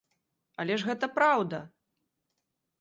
Але ж гэта праўда!